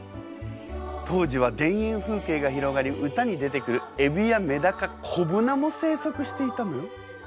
当時は田園風景が広がり歌に出てくるエビやめだか小鮒も生息していたのよ。